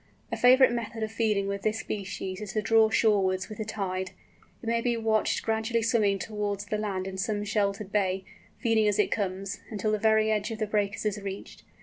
A favourite method of feeding with this species is to draw shorewards with the tide. It may be watched gradually swimming towards the land in some sheltered bay, feeding as it comes, until the very edge of the breakers is reached.